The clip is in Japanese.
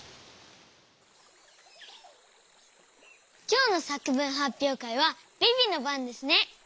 きょうのさくぶんはっぴょうかいはビビのばんですね。